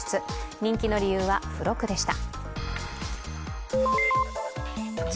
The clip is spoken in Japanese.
人気の理由は付録でした。